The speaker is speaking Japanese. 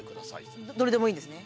どれでもいいんですね？